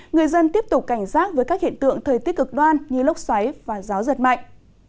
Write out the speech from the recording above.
người dân tiếp tục cảnh giác với các hiện tượng thời tiết cực đoan như lốc xoáy và gió giật mạnh